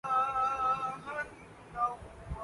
اس جنگ میں جھونک دیا۔